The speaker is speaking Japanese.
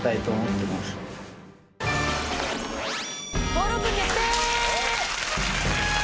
登録決定！